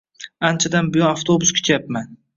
Anchadan buyon avtobus kutyapman